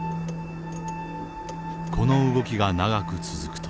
この動きが長く続くと。